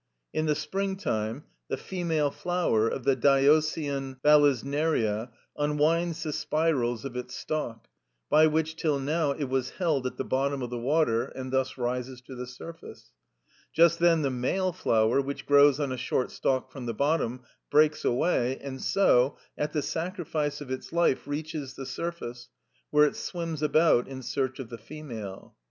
In the spring time the female flower of the diœcian valisneria unwinds the spirals of its stalk, by which till now it was held at the bottom of the water, and thus rises to the surface. Just then the male flower, which grows on a short stalk from the bottom, breaks away, and so, at the sacrifice of its life, reaches the surface, where it swims about in search of the female.